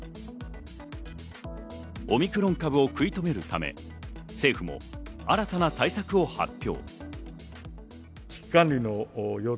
オミクロン株を食い止めるため、政府も新たな対策を発表。